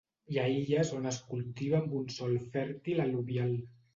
Hi ha illes on es cultiva amb un sòl fèrtil al·luvial.